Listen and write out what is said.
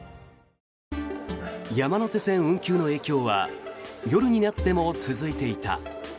山手線運休の影響は夜になっても続いていた。